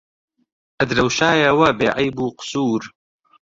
ئەدرەوشایەوە بێعەیب و قوسوور